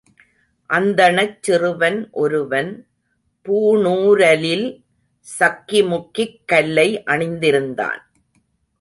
அந்தணச் சிறுவன் ஒருவன் பூணுரலில் சக்கி முக்கிக் கல்லை அணிந்திருந்தான்.